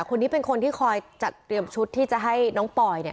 คนนี้เป็นคนที่คอยจัดเตรียมชุดที่จะให้น้องปอย